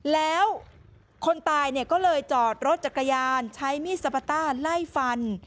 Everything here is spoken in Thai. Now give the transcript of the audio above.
แล้วคนตายก็เลยจอดรถจักรยานใช้มีดสปาต้าไล่ฟัน